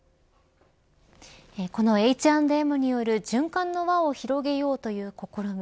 このＨ＆Ｍによる循環の輪を広げようという試み